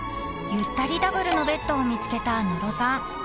［ゆったりダブルのベッドを見つけた野呂さん］